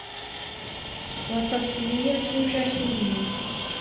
وَتَصلِيَةُ جَحيمٍ